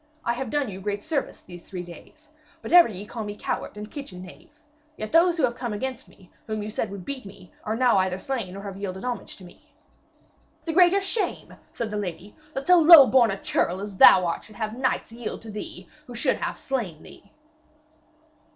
I have done you great service these three days, but ever ye call me coward and kitchen knave. Yet those who have come against me, whom you said would beat me, are now either slain or have yielded homage to me.' 'The greater shame,' said the lady, 'that so lowborn a churl as thou art should have knights yield to thee who should have slain thee.'